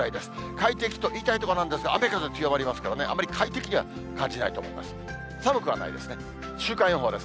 快適と言いたいところなんですが、雨風強まりますからね、あんまり快適には感じないと思います。